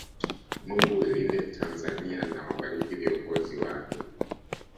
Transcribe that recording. Mungu ilinde Tanzania na wabariki viongozi wake